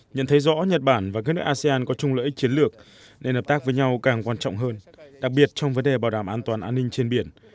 nhận thấy rõ nhật bản và các nước asean có chung lợi ích chiến lược nên hợp tác với nhau càng quan trọng hơn đặc biệt trong vấn đề bảo đảm an toàn an ninh trên biển